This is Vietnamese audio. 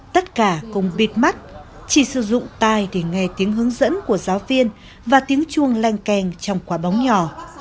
tất cả cùng bịt mắt chỉ sử dụng tài để nghe tiếng hướng dẫn của giáo viên và tiếng chuông len keng trong quả bóng nhỏ